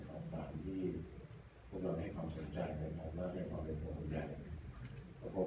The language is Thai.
ท่านศิษย์ผู้ชวนพิธีภรรพทุกท่านที่พวกเราได้ให้ความสนใจนะครับ